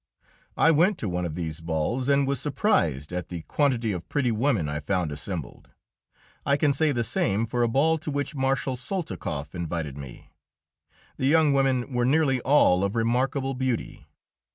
I went to one of these balls, and was surprised at the quantity of pretty women I found assembled. I can say the same for a ball to which Marshal Soltikoff invited me. The young women were nearly all of remarkable beauty.